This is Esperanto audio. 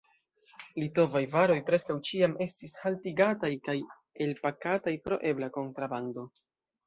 Litovaj varoj preskaŭ ĉiam estis haltigataj kaj elpakataj pro ebla kontrabando.